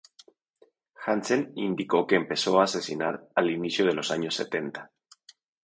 Hansen indicó que empezó a asesinar al inicio de los años setenta.